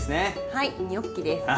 はいニョッキです。